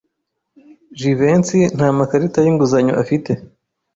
Jivency nta makarita yinguzanyo afite.